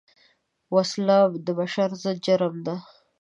وسله د بشر ضد جرم ده